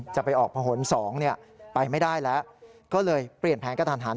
จะไปออกผะหน๒เนี่ยไปไม่ได้แล้วก็เลยเปลี่ยนแผนกันทันทาน